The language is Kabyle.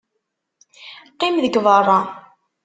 Qqim deg beṛṛa!